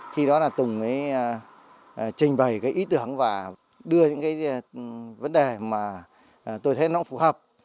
khi đó là tùng trình bày ý tưởng và đưa những vấn đề mà tôi thấy nó phù hợp